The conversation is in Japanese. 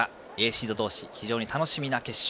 シード同士非常に楽しみな決勝。